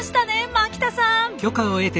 牧田さん！